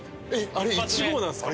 あれ１号なんですか？